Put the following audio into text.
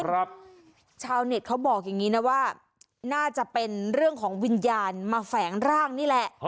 ชาวเน็ตเขาบอกอย่างงี้นะว่าน่าจะเป็นเรื่องของวิญญาณมาแฝงร่างนี่แหละ